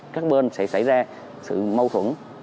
các bên sẽ xảy ra sự mâu thuẫn